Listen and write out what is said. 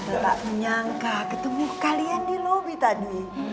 tante gak menyangka ketemu kalian di lobby tadi